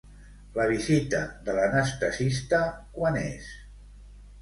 La visita de l'anestesista, quan és?